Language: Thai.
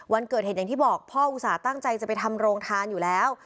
วันเกิดเหตุอย่างที่บอกพ่ออุตส่าห์ตั้งใจจะไปทำโรงทานอยู่แล้ว